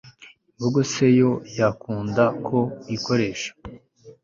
imbogo se yo yakunda ko uyikoresha